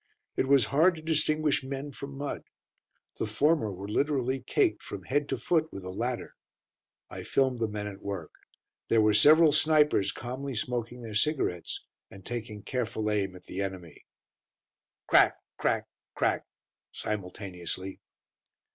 It was hard to distinguish men from mud. The former were literally caked from head to foot with the latter. I filmed the men at work. There were several snipers calmly smoking their cigarettes and taking careful aim at the enemy. Crack crack crack simultaneously.